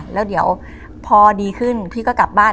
แล้วเดี๋ยวพอดีขึ้นพี่ก็กลับบ้าน